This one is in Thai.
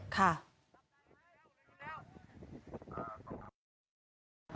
ดูแล้ว